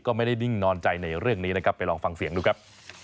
ก็ไม่ได้นิ่งนอนใจในเรื่องนี้นะครับไปลองฟังเสียงดูครับ